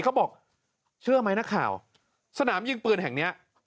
เขาบอกเชื่อไหมนักข่าวสนามยิงปืนแห่งเนี้ย